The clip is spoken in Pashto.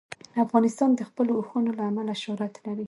افغانستان د خپلو اوښانو له امله شهرت لري.